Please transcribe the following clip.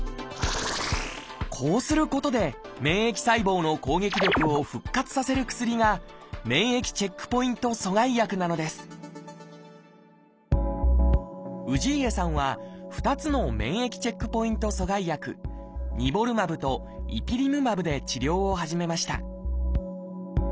こうすることで免疫細胞の攻撃力を復活させる薬が免疫チェックポイント阻害薬なのです氏家さんは２つの免疫チェックポイント阻害薬「ニボルマブ」と「イピリムマブ」で治療を始めました